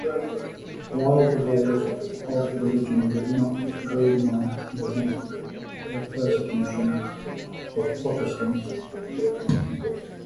While the wars of religion did not re-ignite, intense persecution of Protestants took place.